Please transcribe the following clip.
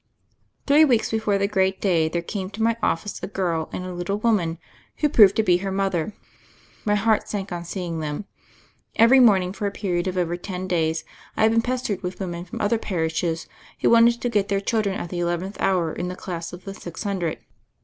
Three weeks before the great day there came to my office a girl and a little woman, who proved to be her mother. My heart sank on seeing them. Every morning for a period of over ten days had I been pestered with women from other parishes who wanted to get their children at the eleventh hour in the class of the six hundred.